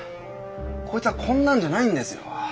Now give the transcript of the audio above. こいつはこんなんじゃないんですよ。